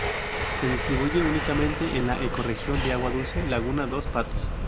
Se distribuye únicamente en la ecorregión de agua dulce laguna dos Patos.